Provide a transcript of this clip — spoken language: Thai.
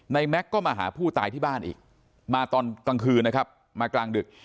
แม็กซ์ก็มาหาผู้ตายที่บ้านอีกมาตอนกลางคืนนะครับมากลางดึก